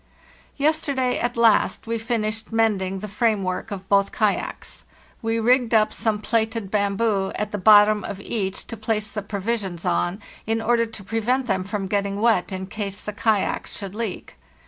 " Yesterday, at last, we finished mending the frame work of both kayaks. We rigged up some plaited bam boo at the bottom of each to place the provisions on, in order to prevent them from getting wet in case the ka yaks should leak.